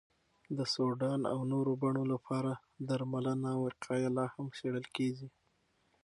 د سودان او نورو بڼو لپاره درملنه او وقایه لا هم څېړل کېږي.